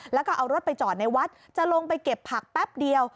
แล้วก็เอารถไปจอดในวัดจะลงไปเก็บผักแป๊บเดียว